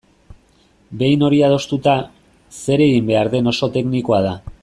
Behin hori adostuta, zer egin behar den oso teknikoa da.